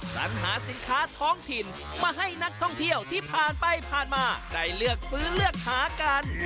สัญหาสินค้าท้องถิ่นมาให้นักท่องเที่ยวที่ผ่านไปผ่านมาได้เลือกซื้อเลือกหากัน